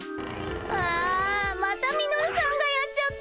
あまたミノルさんがやっちゃった。